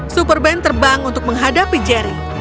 super band terbang untuk menghadapi jerry